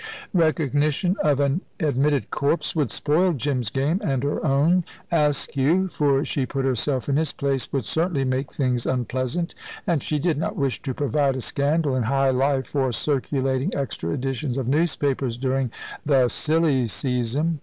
Recognition of an admitted corpse would spoil Jim's game and her own. Askew, for she put herself in his place, would certainly make things unpleasant, and she did not wish to provide a scandal in high life for circulating extra editions of newspapers during the silly season.